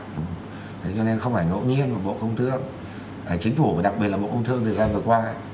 thế cho nên không phải ngẫu nhiên mà bộ công thương chính phủ và đặc biệt là bộ công thương thời gian vừa qua